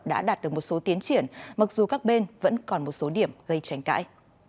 đã đạt được một số tiến triển mặc dù các bên vẫn còn một số điểm gây tranh cãi